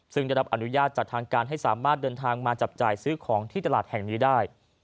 ซึ่งได้รับอนุญาตจากทางการให้สามารถเดินทางมาจับจ่ายซื้อของที่ตลาดแห่งนี้ได้